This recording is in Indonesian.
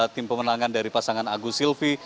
tim pemenangan dari pasangan agus silvi